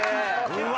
うわ。